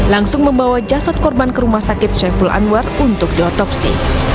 langsung membawa jasad korban ke rumah sakit syaiful anwar untuk diotopsi